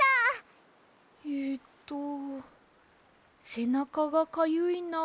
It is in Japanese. えっとせなかがかゆいなですか？